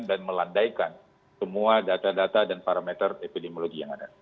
dan melandaikan semua data data dan parameter epidemiologi yang ada